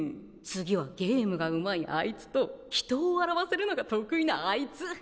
次はゲームがうまいあいつと人を笑わせるのが得意なあいつ。